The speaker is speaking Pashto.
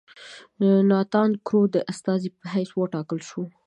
ناتان کرو د استازي په حیث وټاکل شو.